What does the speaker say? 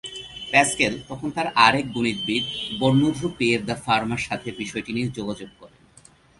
Pascal তখন তার আরেক গনিতবিদ বন্নধু পিয়ের দ্য ফার্মা সাথে বিষয়টি নিয়ে যোগাযোগ করেন।